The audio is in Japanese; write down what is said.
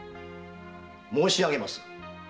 申し上げます。